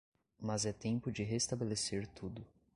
mas é tempo de restabelecer tudo.